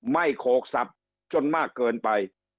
ไม่โขกศัพท์จนมากเกินไป